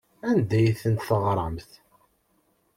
Anda ay ten-teɣramt?